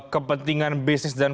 kepentingan bisnis dan